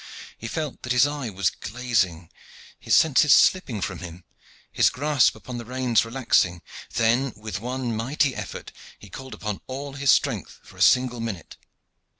He felt that his eye was glazing, his senses slipping from him, his grasp upon the reins relaxing. Then with one mighty effort, he called up all his strength for a single minute.